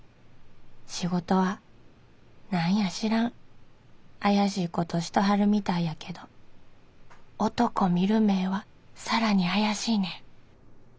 仕事は何や知らん怪しいことしたはるみたいやけど男見る目はさらに怪しいねん。